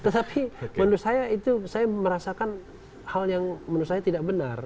tetapi menurut saya itu saya merasakan hal yang menurut saya tidak benar